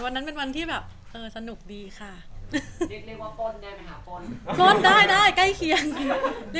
คุณเรื่องน้องเป็นยังไงตอนนี้